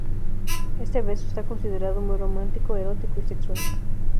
Este beso está considerado muy romántico, erótico y sexual.